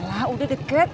alah udah deket